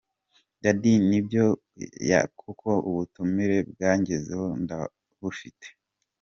Dady: Ni byo koko ubutumire bwangezeho ndabufite.